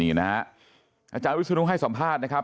นี่นะฮะอาจารย์วิศนุให้สัมภาษณ์นะครับ